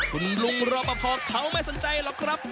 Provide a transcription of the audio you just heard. คุณลุงรอปภเขาไม่สนใจหรอกครับ